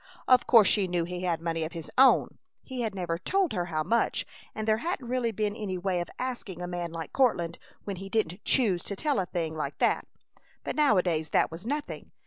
Of course she knew he had money of his own (he had never told her how much, and there hadn't really been any way of asking a man like Courtland when he didn't choose to tell a thing like that), but nowadays that was nothing.